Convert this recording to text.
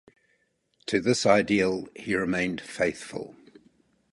To this ideal he remained faithful.